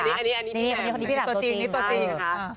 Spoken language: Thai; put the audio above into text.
นี่คนนี้พี่แหม่มตัวจริง